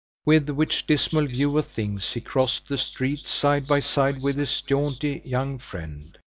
With which dismal view of things, he crossed the street side by side with his jaunty young friend.